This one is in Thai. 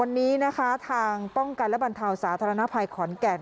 วันนี้นะคะทางป้องกันและบรรเทาสาธารณภัยขอนแก่น